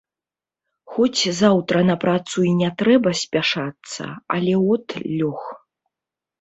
Хоць заўтра на працу і не трэба спяшацца, але от лёг.